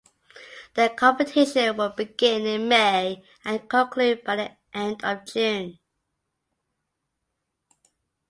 The competition would begin in May and conclude by the end of June.